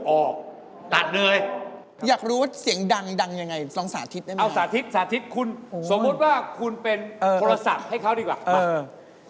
โอ้โฮนี่แรงมาก